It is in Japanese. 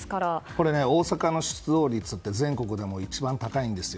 これ、大阪の出動率って全国でも一番高いんですよ。